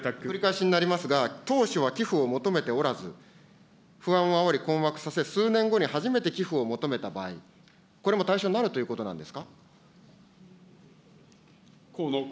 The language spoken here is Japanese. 繰り返しになりますが、当初は寄付を求めておらず、不安をあおり、困惑させ、数年後に初めて寄付を求めた場合、これも対象になるということなんですか。